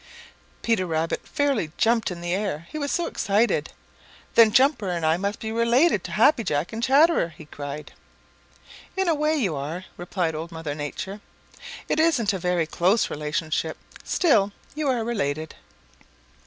Peter Rabbit fairly jumped up in the air, he was so excited. "Then Jumper and I must be related to Happy Jack and Chatterer," he cried. "In a way you are," replied Old Mother Nature. "It isn't a very close relationship, still you are related.